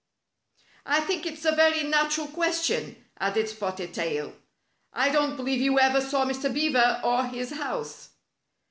" I think it's a very natural question," added Spotted Tail. "I don't believe you ever saw Mr. Beaver or his house."